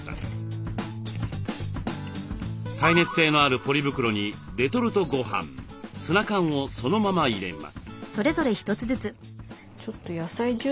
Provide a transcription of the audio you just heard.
耐熱性のあるポリ袋にレトルトごはんツナ缶をそのまま入れます。